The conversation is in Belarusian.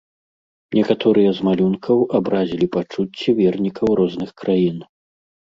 Некаторыя з малюнкаў абразілі пачуцці вернікаў розных краін.